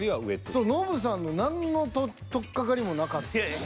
そうノブさんの何のとっかかりもなかったし。